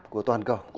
của toàn cầu